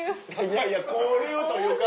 いやいや交流というか。